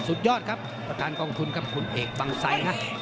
สุดยอดครับประการกองทุนครับคุณเอกบังไซนะ